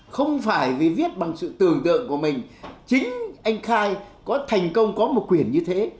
không phải vì viết bằng sự tưởng tượng của mình chính anh khai có thành công có một quyền như thế